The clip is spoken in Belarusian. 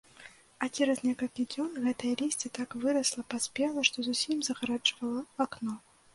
А цераз некалькі дзён гэтае лісце так вырасла, паспела, што зусім загараджвала акно.